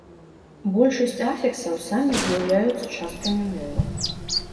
Большасць афіксаў самі з'яўляюцца часткамі мовы.